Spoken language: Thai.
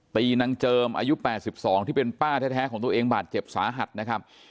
นางเจิมอายุ๘๒ที่เป็นป้าแท้ของตัวเองบาดเจ็บสาหัสนะครับ